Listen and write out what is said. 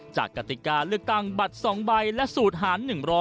กติกาเลือกตั้งบัตร๒ใบและสูตรหาร๑๐๐